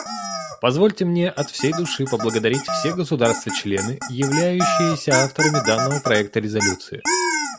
Позвольте мне от всей души поблагодарить все государства-члены, являющиеся авторами данного проекта резолюции.